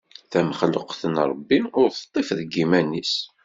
Tamexluqt n Ṛebbi, ur teṭṭif deg yiman-is.